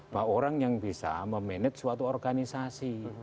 bahwa orang yang bisa memanage suatu organisasi